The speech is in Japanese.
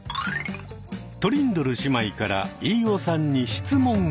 トリンドル姉妹から飯尾さんに質問が。